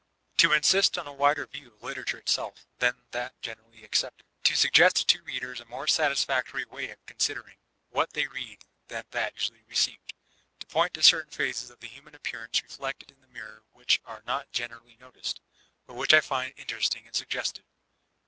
To insist on a wider view of literature itself than that generally accepted. 2. To suggest to readers a more satisfactory way of considering what they read than that usually received. 3. To point to certain phases of the human appearance reflected in the mirror which are not generally noticed* but which I find interesting and suggestive.